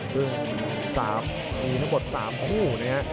ซึ่งมีถึงทั้งหมด๓คู่